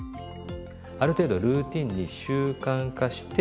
ある程度ルーティンに習慣化して。